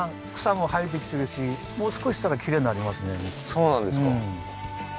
そうなんですか